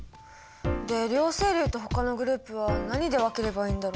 で両生類とほかのグループは何で分ければいいんだろう？